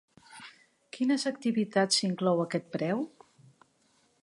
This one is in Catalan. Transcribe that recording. Quines activitats inclou aquest preu?